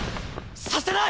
させない！